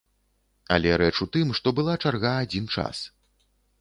Але рэч у тым, што была чарга адзін час.